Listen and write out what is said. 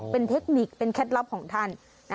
เป็นเทคนิคเป็นเคล็ดลับของท่าน